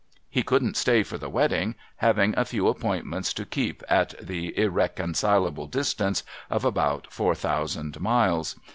He couldn't stay for the wedding, having a few appointments to keep at the irreconcilable distance of about four thousand miles.